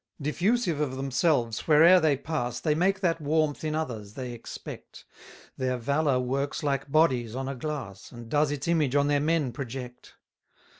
53 Diffusive of themselves, where'er they pass, They make that warmth in others they expect; Their valour works like bodies on a glass, And does its image on their men project.